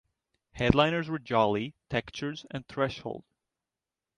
Headliners were Jolly, Textures and Threshold.